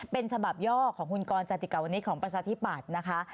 เป็นฉบับย่อของคุณกรจติกาวนิตของประชาธิปัตย์นะคะ